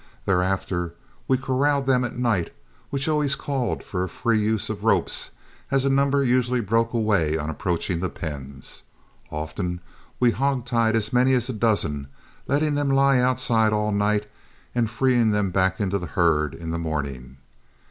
Thereafter we corralled them at night, which always called for a free use of ropes, as a number usually broke away on approaching the pens. Often we hog tied as many as a dozen, letting them lie outside all night and freeing them back into the herd in the morning.